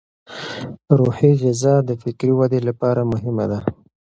روحي غذا د فکري ودې لپاره مهمه ده.